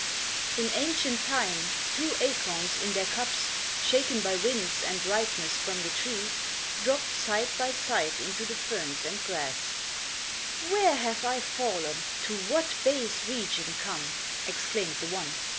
In ancient time, two acorns, in their cups, Shaken by winds and ripeness from the tree, Dropped side by side into the ferns and grass; "Where have I fallen to what base region come?" Exclaimed the one.